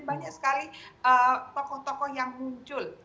banyak sekali tokoh tokoh yang muncul